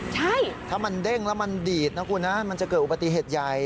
ใช่ถ้ามันเด้งแล้วมันดีดนะคุณนะมันจะเกิดอุบัติเหตุใหญ่